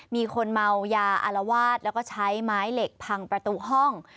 มีคนเมายาอารวาสแล้วก็ใช้ไม้เหล็กพังประตูห้อง